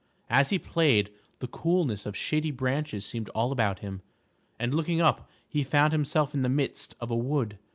As he played, the coolness of shady branches seemed all about him, and looking up he found himself in the midst of a wood.